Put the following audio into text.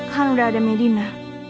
kan udah ada medina